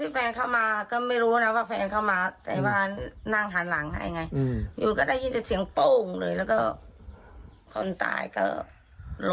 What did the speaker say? มักก็ยิงตรงทำไมพูดอะไรเลยหรอ